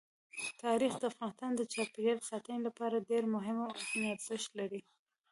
تاریخ د افغانستان د چاپیریال ساتنې لپاره ډېر مهم او اړین ارزښت لري.